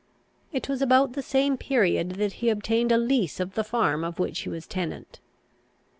It was about the same period that he obtained a lease of the farm of which he was tenant.